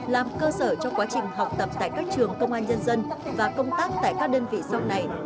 làm cơ sở cho quá trình học tập tại các trường công an nhân dân và công tác tại các đơn vị sau này